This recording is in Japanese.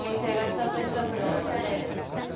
一つ一つがおしゃれで。